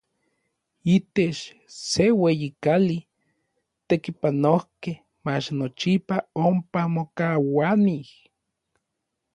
Itech se ueyi kali, n tekipanojkej mach nochipa ompa mokauanij.